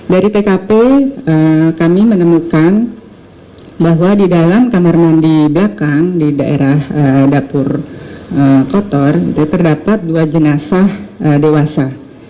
dari tkp kami menemukan bahwa di dalam kamar mandi belakang di daerah dapur kotor itu terdapat dua jenazah dewasa